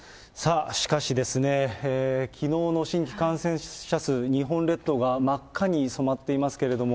しかしですね、きのうの新規感染者数、日本列島が真っ赤に染まっていますけれども。